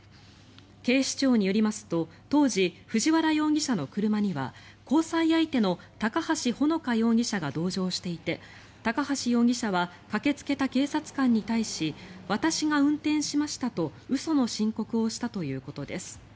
警視庁によりますと当時、藤原容疑者の車には交際相手の高橋萌華容疑者が同乗していて高橋容疑者は駆けつけた警察官に対し私が運転しましたと嘘の申告をしたということです。